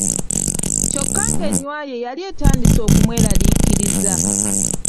kyokka ng'ennywa ye yali etandise okumwelariikiriza.